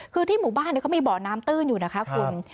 คือที่หมู่บ้านเขามีบ่อน้ำตื้นอยู่นะคะคุณ